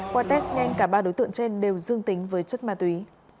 qua test nhanh cả ba đối tượng trên đều dương tính với chất ma túy